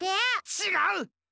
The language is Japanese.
ちがう！